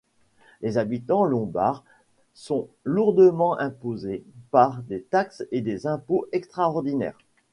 Les habitants lombards sont lourdement imposés par des taxes et des impôts extraordinaires.